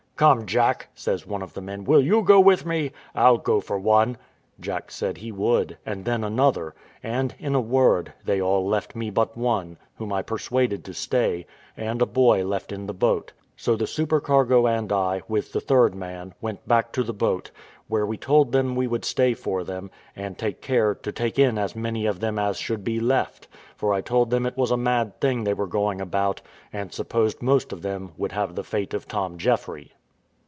"Come, Jack," says one of the men, "will you go with me? I'll go for one." Jack said he would and then another and, in a word, they all left me but one, whom I persuaded to stay, and a boy left in the boat. So the supercargo and I, with the third man, went back to the boat, where we told them we would stay for them, and take care to take in as many of them as should be left; for I told them it was a mad thing they were going about, and supposed most of them would have the fate of Tom Jeffry.